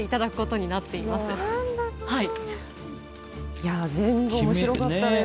いや全部面白かったですよ。